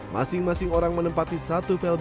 masing masing orang menempati satpol pp